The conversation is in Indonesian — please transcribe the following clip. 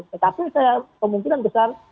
tetapi saya kemungkinan besar